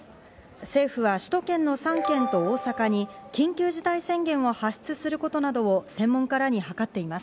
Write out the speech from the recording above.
政府は首都圏の３県と大阪に緊急事態宣言を発出することなどを専門家らに諮っています。